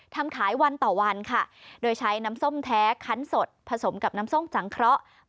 ทำขายวันต่อวันค่ะโดยใช้น้ำส้มแท้คันสดผสมกับน้ำส้มสังเคราะห์